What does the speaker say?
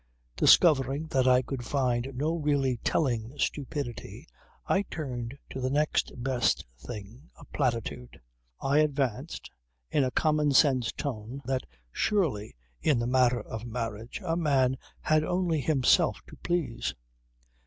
Discovering that I could find no really telling stupidity, I turned to the next best thing; a platitude. I advanced, in a common sense tone, that, surely, in the matter of marriage a man had only himself to please.